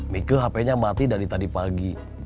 mika hp nya mati dari tadi pagi